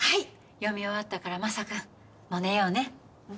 読み終わったからマサ君もう寝ようね。